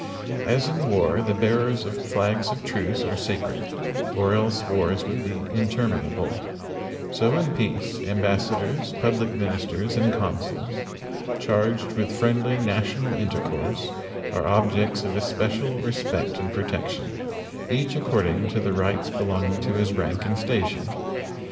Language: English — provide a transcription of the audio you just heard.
As in war the bearers of flags of truce are sacred, or else wars would be interminable, so in peace ambassadors, public ministers, and consuls, charged with friendly national intercourse, are objects of especial respect and protection, each according to the rights belonging to his rank and station.